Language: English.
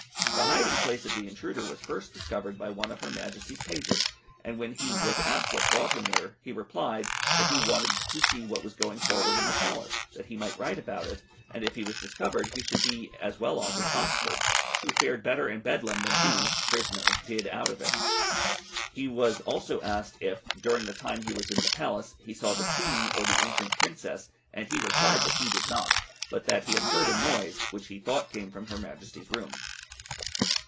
The hiding place of the intruder was first discovered by one of her Majesty's pages, and when he was asked what brought him there, he replied, that he wanted to see what was going forward in the Palace, that he might write about it, and if he was discovered he should be as well off as Oxford, who fared better in Bedlam tham he (prisoner) did out of it. He was also asked if, during the time he was in the Palace, he saw the Queen or the infant Princess, and he replied that he did not, but that he had heard a noise, which he thought came from her Majesty's room.